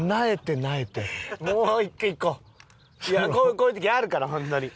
こういう時あるから本当に。